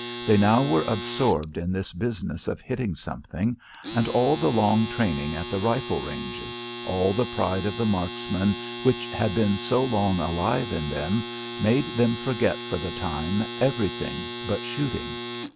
They now were absorbed in this business of hitting something, and all the long training at the rifle ranges, all the pride of the marksman which had been so long alive in them, made them forget for the time everything but shooting.